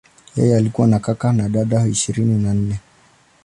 Yeye alikuwa na kaka na dada ishirini na nne.